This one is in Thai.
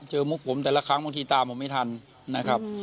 มุกผมแต่ละครั้งบางทีตามผมไม่ทันนะครับ